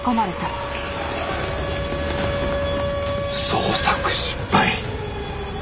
捜索失敗。